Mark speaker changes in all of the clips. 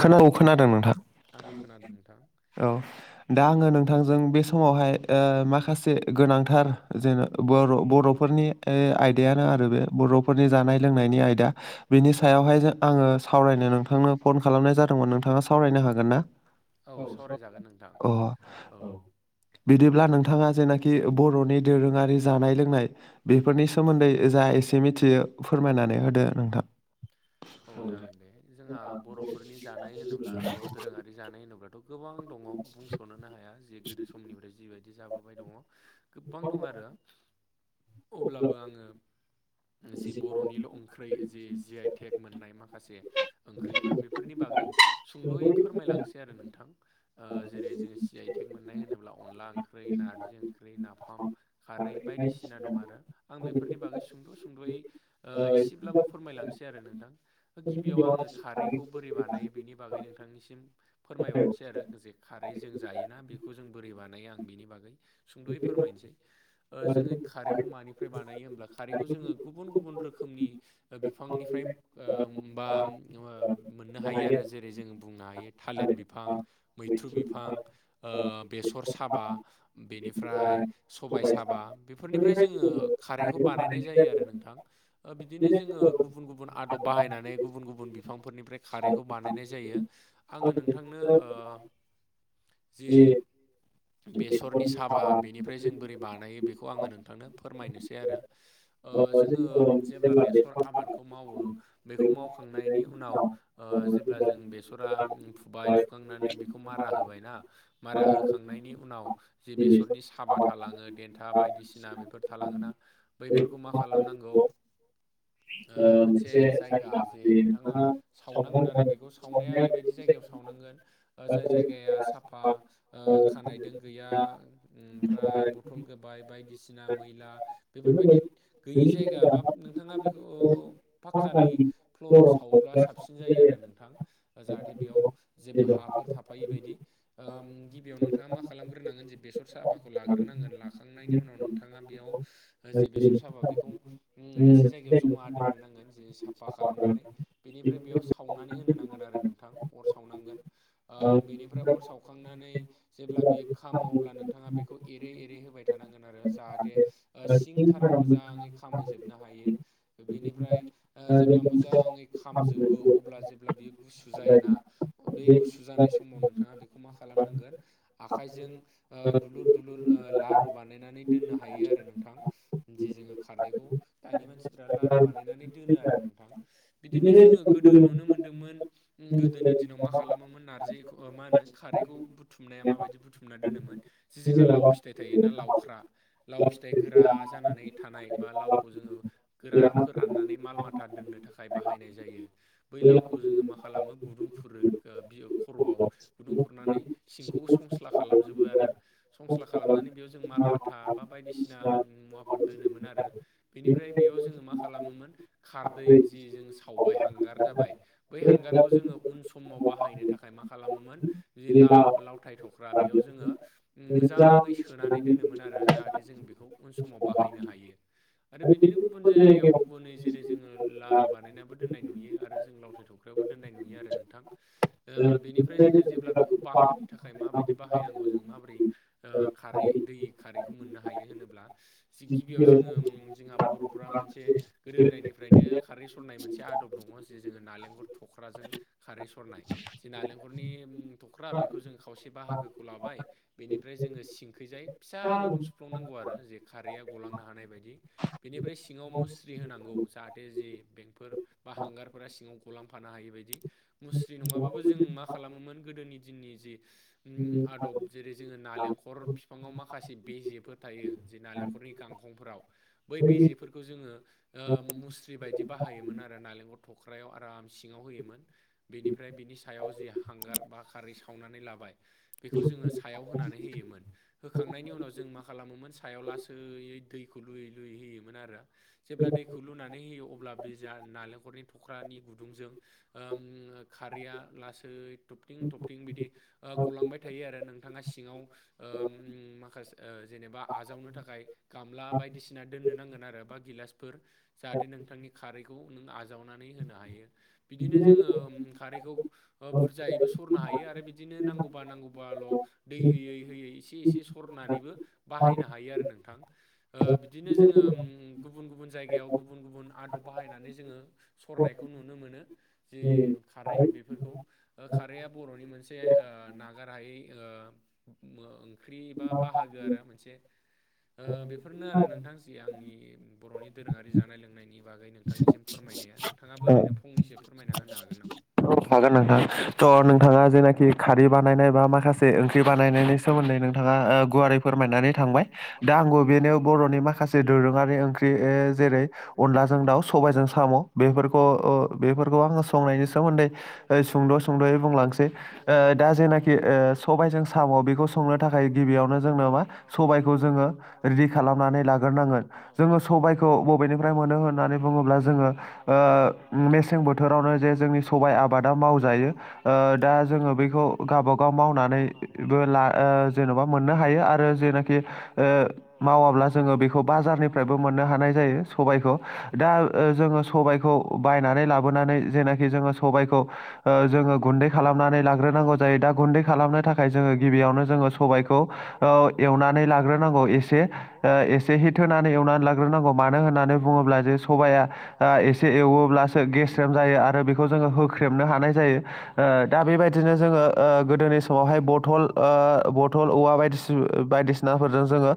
Speaker 1: खोना औ खोनादों नोंथां औ दा आंङो नोंथांजों बे समावहाय माखासे गोनांथार जेन' बर' बर'फोरनि आयदायानो आरो बे बर'फोरनि जानाय लोंनायनि आयदा बिनि सायावहाय आंङो सावरायनो नोंथांनो फन खालामनाय जादोंमोन नोंथांङा सावरायनो हागोन ना औ अ औ बिदिब्ला नोंथांङा जेनाखि बर'नि दोरोंङारि जानाय लोंनाय बेफोरनि सोमोन्दै जा एसे मिथियो फोरमायनानै होदो नोंथां
Speaker 2: औ जागोन दे जोंहा बर'फोरनि जानाय होनोब्लाथ' दोरोंङारि जानाय होनोब्लाथ' गोबां दंङो बुंस'नोनो हाया जे गोदो समनिफ्राय जिबायदि जाबोबाय दंङो गोबां दं आरो अब्लाबो आंङो जि बर'निल' ओंख्रै जि जि आइ टेक मोननाय माखासे ओंख्रिफोर बेफोरनि बागै सुंद'यै फोरमायलांसै आरो नोंथां जेरै जोङो जि आइ टेक मोननाय होनोब्ला अनला ओंख्रि नारजि ओंख्रै नाफाम खारै बायदिसिना दं आरो आं बेफोरनि बागै सुंद' सुंद'यै एसेब्लाबो फोरमायलांसै आरो नोंथां गिबियाव आङो खारैखौ बो बोरै बानायो बेनि बागै नोंथांनिसिम फोरमायहरनोसै आरो जे खारै जों जायोना बेखौ जों बोरै बानायो आं बिनि बागै सुंद'यै फोरमायनोसै जोङो खारैखौ मानि बानायो होनब्ला खारैखौ जों गुबुन गुबुन रोखोमनि बिफांनिफ्राय बा मोननो हायो आरो जेरै जों बुंनो हायो थालिर बिफां मैथ्रु बिफां बेसर साबा बेनिफ्राय सबाय साबा बेफोरनिफ्राय जोङो खारैखौ बानायनाय जायो आरो नोंथां ओ बिदिनो जोङो गुबुन गुबुन गुबुन आदब बाहायनानै गुबुन गुबुन बिफांफोरनिफ्राय खारैखौ बानायनाय जायो आङो नोंथांनो ओ जि बेसरनि साबा बेनिफ्राय जों बोरै बानायो बेखौ आङो नोंथांनो फोरमायनोसै आरो जोङो जेब्ला बेसर आबादखौ मावो बेखौ मावखांनायनि उनाव जेब्ला जों बेसरा फुबाय फुखांनानै बेखौ मारा होबायना मारा होखां होखांनायनि उनाव जि बेसरनि साबा थालाङो देन्था बायदिसिना बेफोर थालाङोना बैफोरखौ मा खालामनांगौ मोनसे जायगा जे नोंथाङा सावनांगोन आरो बेखौ सावनाया ओरैबायदि जायगायाव सावनांगोन जाय जायगाया साफा खानाइदों गैया ओमफ्राय बथल गोबाय बायदिसिना मैला बेफोरबायदि गैयि जायगा बा नोंथाङा बेखौ पाक्कानि फ्लराव सावोब्ला साबसिन जायो आरो नोंथां जाहाथे बेयाव जेबो हाफोर थाफायि बायदि बेयाव नोंथाङा मा खालामग्रोनांगोन जे बेसर साबाखौ लाग्रोनांगोन लाखांनायनि उनाव नोंथाङा बेयाव जे बेसर साबा बेखौ मोनसे जायगायाव जमा दोननो नांगोन जे साफा खालामनानै बेनिफ्राय बेयाव सावनानै होनो नांगोन आरो नोंथां अर सावनांगोन बेनिफ्राय अर सावखांनानै जेब्ला बियो खामो अब्ला नोंथाङा बेखौ एरै एरै होबाय थानांगोन आरो जाहाथे सिं थाराव मोजाङै खामहैजोबनो हायो बेनिफ्राय जेब्ला मोजाङै खामजोबो अब्ला जेब्ला बियो गुसु जायोना बे गुसु जानाय समाव नोंथाङा बेखौ मा खालामनांगोन आखाइजों दुलुर दुलुर लारु बानायनानै दोननो हायो आरो नोंथां जे जोङो खारदैखौ दानि मानसिफ्रा लारु बानायनानै दोनो आरो नोंथां बिदिनो जोङो गोदो नुनो मोनो मोनदोंमोन गोदोनि दिनाव मा खालामोमोन‌ नारजि ओ मा होनो खारैखौ बुथुमनाया माबायदि बुथुमना दोनोमोन जि जोंहा लाव फिथाइ थायोना लावख्रा लाव फिथाइ गोरा जानानै थानाय बा लावखौ जोङो गोरा फोराननानै माल माथा दोननो थाखाय बाहायनाय जायो बै लावखौ जोङो मा खालामो गुदुं खुरो खर'आव गुदुं खुरनानै सिंखौ संस्ला खालामजोबो आरो संस्ला खालामनानै बेयाव जों माल माथा बा बायदिसिना मुवाफोर दोनोमोन आरो बेनिफ्राय बेयाव जोङो मा खालामोमोन खारदै जि जों सावबाय हांगार जाबाय बै हांगारखौ जोङो उन समाव बाहायनो थाखाय मा खालामोमोन जि लाव लावथाय थख्रा बेयाव जोङो मोजाङै सोनानै दोनोमोन आरो जाहाथे जों बेखौ उन समाव बाहायनो हायो आरो बिदिनो गुबुन जायगायाव गुबुनै जेरै जोङो लारु बानायनाबो दोननाय नुयो आरो जों लावथाइ थखला [unintelligible] आवबो दोननाय नुयो आरो नोंथां बेनिफ्राय जोङो जेब्ला बेखौ बाहायनो थाखाय माबायदि बाहायनांगौ जों माबोरै ओ खारै दै खारैखौ मोननो हायो होनोब्ला गिबियाव जोङो जोंहा बर' फ्रा मोनसे गोदो गोदायनिफ्रायनो खारै सरनाय मोनसे आदब दङ जि जोङो नालेंखर थख्राजों खारै सरनाय दि नालेंखरनि थ ख्रा बेखौ जों खावसे बाहागोखौ लाबाय बेनिफ्राय जोङो सिंखिजाय फिसा गुदुं सु फ्लंनांगौ आरो जे खारैया गलांनो हानाय बायदि बेनिफ्राय सिङाव मुस्रि होनांगौ जाहाथे जे बेंकफोर बा हांगारफोरा सिङाव गलामफानो हायै बायदि मुस्रि नङाबो जों मा खालामोमोन गोदोनि दिननि जि आदब जेरै जोङो नालेंखल फि फाङाव माखासे बेजेफोर थायो जे नालेंखरनि गांखंफोराव बै बेेफोरखौ जोङो ओम मुस्रि बायदि बाहायोमोन आरो नालेंखर थख्रायाव आराम सिङाव होयोमोन बिनिफ्राय बिनि सायाव जि हांगार बा खारै सावनानै लाबाय बेखौ जोङो सायाव होनानै होयोमोन होखांनायनि उनाव जों मा खालामोमोन सायाव लासैयै दैखौ लुयै लुयै होयोमोन आरो जेब्ला दैखौ लुनानै होयो अब्ला बे जा नालेंखरनि थख्रानि गुदुंजों ओम खारैया लासै थबथिं थबथिं बिदि ओ गलांबाय थायो आरो नोंथाङा सिङाव ओम माखासे जेनेबा आजावनो थाखाय गामला बायदिसिना दोननो नांगोन आरो बा गिलासफोर जाहाथे नोंथांनि खारैखौ नों आजावनानै होनो हायो बिदिनो जोङो खारैखौ बुरजायैबो सरनो हायो आरो बिदि दिनो नांगौबा नांगौबाल' दै होयै होयै एसे एसे सरनानैबो बाहायनो हायो आरो नोंथां ओ बिदिनो जोङो गुबुन गुबुन जायगायाव गुबुन गुबुन आदब बाहायनानै जोङो सरनायखौ नुनो मोनो जे खारै बेफोरखौ खारैया बर'नि मोन से ओ नागारहायै ओ ओंख्रि बा बाहागो आरो मोनसे ओ बेफोरनो आरो नोंथां जि आंनि बर'नि दोरोङारि जानाय लोंनायनि बागै नोंथांनिसिम फोरमायनाया नोंथाङाबो ओरैनो फंनैसो फोरमायना होनो हागोन नामा
Speaker 1: हागोन नोंथाङा थ' नोंथाङा जेनाखि खारै बानायनाय बा मा खासे ओंख्रि बानायनायनि सोमोन्दै नोंथाङा गुवारै फोरमायनानै थांबाय दा आंबो बेनो बर'नि माखा से दोरोङारि ओंख्रि जेरै अनलाजों दाउ सबायजों साम' बेफोर
Speaker 2: बेफोरखौ ओ बेफोरखौ आङो संनायनि सोमोन्दो सुंद' सुंद'यै बुंब्लासो ओ दा जेना
Speaker 1: सबायजों साम' बेखौ संनो थाखाय गिबियावनो जोंनो मा सबायखौ जोङो रिडि खालामनानै लाग्रोनांगोन जोङो सबायखौ बबेनिफ्राय मोनो होननानै बुङोब्ला जोङो
Speaker 2: जोङो ओ मेसें बोथोरावनो जे
Speaker 1: सबाइ आबादा मावजायो ओ दा जोङो बेखौ गाव गाव मावनानैबो जेन'बा मोननो हायो आरो जेनाखि ओ मावाब्ला जोङो बेखौ बाजारनिफ्रायबो मोननो हानाय जायो सबायखौ दा ओ जोङो सबायखौ बायनानै लाबोनानै जेनाखि जोङो स सबायखौ ओ जोङो गुन्दै खालामनानै लाग्रोनांगौ जायो दा गुन्दै खालामनो थाखाय जोङो गिबियावनो जोङो सबायखौ ओ एवनानै लाग्रोनांगौ एसे ओ एसे हित होनानै एवनानै लाग्रोनांगौ मानो होननानै बुङोब्ला जे सबाया ओ ए से एवोबब्लासो गेस्रेम जायो आरो बे खौ जोङ होख्रेमनो हानाय जायो ओ दा बेबायदिनो ओ गोदोनि समावहाय बथल ओ बथल औवा बायदि बायदिसिनाफोरजों जोङो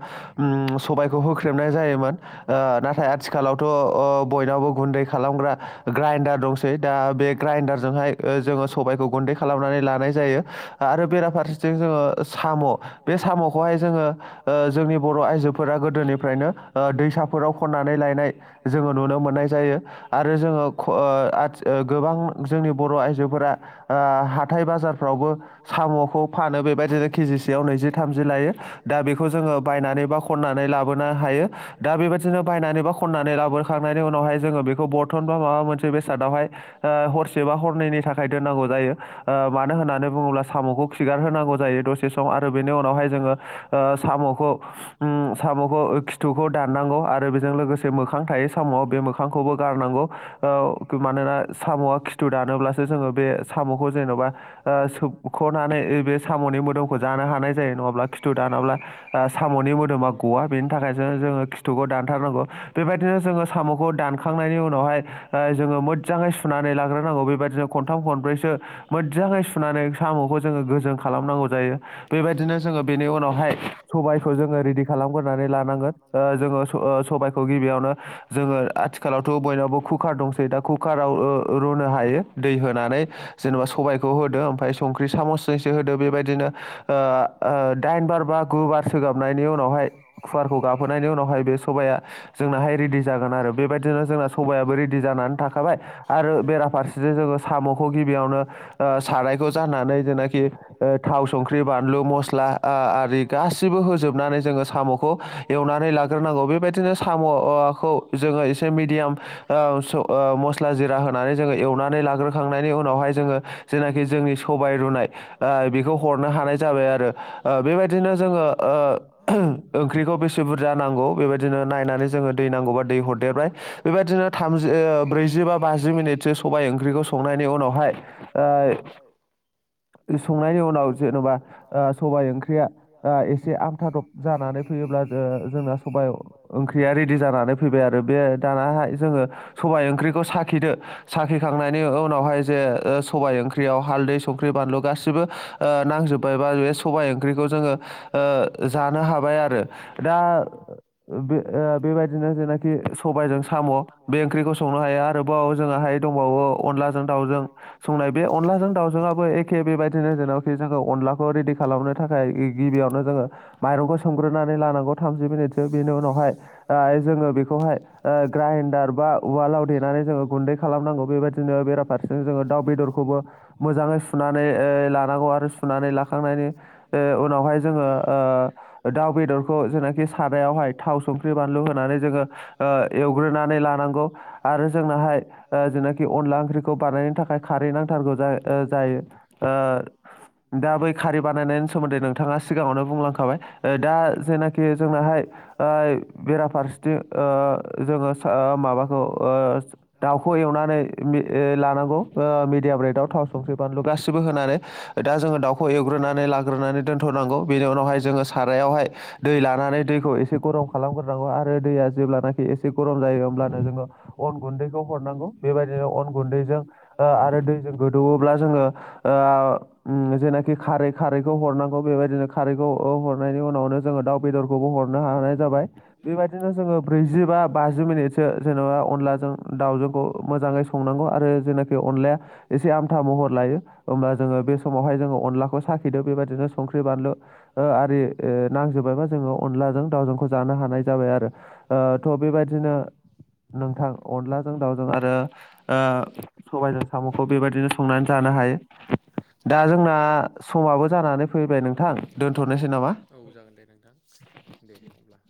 Speaker 1: सबायखौ होख्रेबनाय जायोमोन ओ नाथाय आथिखालावथ' बयनावबो गुन्दै खालामग्रा
Speaker 2: [unintelligible]
Speaker 1: दा बे ग्राइडारजोंहाय ओ जोङो सबायखौ गुन्दै खालामनानै लानाय जायो आरो बेराफारसेथिं जोङो साम' बे साम'खौहाय जोङो ओ जोंनि बर' आइजो फोर गोदोनिफ्रायनो दैसाफोराव खननानै लायनाय जोङो नुनो मोननाय जायो
Speaker 2: जायो आरो जोङो
Speaker 1: गोबां जोंनि बर' आइजोफोरा हाथाय बाजारफ्रावबो साम'खौ फानो बेबायदिनो केजिसेयाव नैजि थामजि लायो दा बेखौ जोङो बायनानै बा नानै लाबोनो हायो दा बेबायदिनो बायनानै बा खननानै लाबोखांनायनि उनावहाय जोङो बेखौ बे बरटन बा माबा मोनसे बेसादावहाय
Speaker 2: बेवहाय हरसे बा हरनैनि थाखाय दोननांगौ जायो मानो होना
Speaker 1: साम'खौ खिगार होनांगौ जायो दसे सम आरो बेनि उनावहाय जोङो साम'खौ साम'खौ खिथुखौ दाननांगौ आरो बेजों लोगोसे मोखां थायो साम'आव बे मोखांखौबो गारनांगौ
Speaker 2: गारनांगौ औ औ
Speaker 1: साम'आ खिथु दानोब्लासो जोङो बे साम'खौ जेन'बा सोबख'नानै बे साम'नि मोदोमखौ जानो हानाय जायो नङाब्ला खिथु दानाब्ला साम'नि मोदोमा गवा बेनि थाखाय जो जोङो खिथुखौ दानथारनांगौ बेबायदिनो जोङो साम'खौ दानखांनायनि उनावहाय जोङो मोजाङै सुनानै लाग्रोनांगौ बेबायदििनो खनथाम खनब्रैसो मोजाङै सुनानै साम'खौ जोङो गोजों खालामनांगौ जायो बेबायदिनो जोङो बेनि उनावहाय सबायखौ जोङो रेदि खालामगोनानै लानांगोन जोङो सबायखौ गिबियावनो जोङो आथिखालावथ' बयनावबो कुकार दंसै कुकार आाव रुनो हायो दै होनानै जेनेबा सबायखौ होदो ओमफ्राय संख्रि सामसजोंसो होदो बेबायदिनो दाइन बार बा गु बार सोगाबनायनि उनावहाय कुकारखौ गाबहोनायनि उनावहाय बे सबाया जोंनाहाय रेडि जागोन आरो बेबायदिनो जोंना सबाइयाबो रेडि जानानै थाखाय आरो बेाउफारसे जोङो साम'खौ गिबियावनो ओ सारायखौ जाननानै जेनाखि ओ थाव संख्रि बानलु मस्ला ओ आरि गासैबो होजोबनानै जोङो साम' खौ एवनानै लाग्रोनांगौ बेबायदिनो साम'खौ जोङो एसे मिडियाम मस्ला जिरा होनानै जोङो एवनानै लाग्रोखांनायनि उनावहाय जोङो जेनाखि जोंनि सबाय रुनाय बेखौ हरनो हानाय जाबाय आरो बेबायदिनो जोङो ओंख्रिखौ बेसे बुरजा नांगौ बेबायदिनो नायनानै जोङो दै नांगौबा दै हरदेरबाय
Speaker 2: बे बादिनो
Speaker 1: ब्रैजि बा बाजि मिनिटसो सबायाइ ओंख्रिखौ संनायनि उनावहाय संनायनि उनाव जेन'बा सबाइ ओंख्रिया एसे आमथादब जानानै फैयोब्ला ज जोंना सबाइ ओंख्रिया रेडि जानानै फैबाय आरो बे दानाहाय जोङो सबाइ ओंख्रिखौ साखिदो साखिखांनायनि उनावहाय जे सबाइ ओंख्रि ओंख्रियाव हालदै संख्रि बानलु गाैबो नांजोब्बाय बा बे सबाय ओंख्रिखौ जोङो जानो हाबाय आरो दा बे बेबायदिनो जेनाखि सबायजों साम' बे ओंख्रिखौ संनो हायो आरोबाव जोंहा दंबावो अनलाजों दाउजों संनाय बे अनलाजों दाउजोङाबो एखे बेबायदिनो जेनावखि जोङो अनलाखौ रेडि खालामनो थाखाय गिबियावनो जोङो माइरंखौ सोमग्रोनानै लानांगौ थामजि मिनिटसो बिनि उनावहाय जोङो बेखौहाय ग्राइडार बा उवालाव देनानै जोङो गुन्दै खालामनांगौ बेबायदिनो बेराफारसेजों जोङो दाउ बेदरखौबो मोजाङै सुनानै लानांगौ आरो सुनानै लाखांनायनि ओ उनावहाय जोङो दाउ बेदरखौ जेनाखि सारायावहाय थाव संख्रि बानलु होनानै जोङो एवग्रोनानै लानांगौ आरो जोंनाहाय जेनाखि अनला ओंख्रिखौ बानायनो थाखाय खारै नांथारगौ ज जायो दा बै खारै बानायनायनि सोमोन्दै नोंथाङा सिगाङावनो बुंलांखाबाय दा जेनाखि जोंनाहाय बेराफारसेथिं जोङो ओ माबाखौ दाउखौ एवनानै लानांगौ मिडियाम्र दाउ थाव संख्रि बानलु गासिबो होनानै दा जोङो दाउखौ एवग्रोनानै लाग्रोनानै दोन्थ'नांगौ बेनि उनावहाय जोङो सारायावहाय दै लानानै दैखौ एसे गरम खालामग्रोनांगौ आरो दैया जेब्लानाखि एसे गरम जायो होमब्लानो जोङो अन गुन्दैखौ हरनांगौ बेबायदिनो अन गुन्दैजों आरो दैजों गोदौयोब्ला जोङो जेनाखि खारै खारैखौ हरनांगौ बेबायदिनो खारैखौ हरनायनि उनावनो जोङो दाउ बेदरखौ बो हरनो हानाय जाबाय बेबायदिनो जोङो बैजि बा मिनिटसो जेनेबा अब्ला जों दाउखौ मोजाङै संनांगौ आरो जेनाखि अनलाया एसे आमथा महर लायो होमबा जोङो बे समावहाय जोङो अनलाखौ साखिदो बेबायदिनो संख्रि बानलु आरि नांजोबबायबा जोङो अनलाजों दाउजोंखौ जानो हानाय जाबाय आरो थ' बेबायदिनो नोंथां अनलाजों दाउजों आरो सबायजों साम'खौ बेबायदिनो संनानै जानो हायो दा जोंना समाबो जानानै फैबाय नोंथां दोनथ'नोसै नामा
Speaker 2: औ जागोन दे नोंथां दे होमब्ला